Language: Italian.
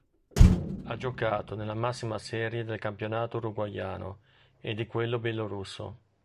Ha giocato nella massima serie del campionato uruguaiano e di quello bielorusso.